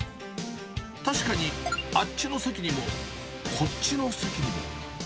確かにあっちの席にも、こっちの席にも。